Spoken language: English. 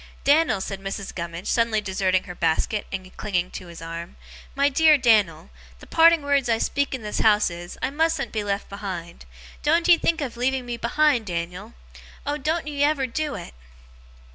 'Dan'l,' said Mrs. Gummidge, suddenly deserting her basket, and clinging to his arm 'my dear Dan'l, the parting words I speak in this house is, I mustn't be left behind. Doen't ye think of leaving me behind, Dan'l! Oh, doen't ye ever do it!